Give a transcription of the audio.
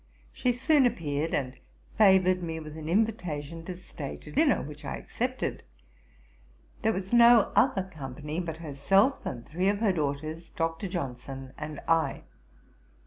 She soon appeared, and favoured me with an invitation to stay to dinner, which I accepted. There was no other company but herself and three of her daughters, Dr. Johnson, and I.